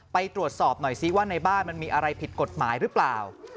ไปตรวจสอบหน่อยซิว่าในบ้านมันมีอะไรผิดกฎหมายหรือเปล่า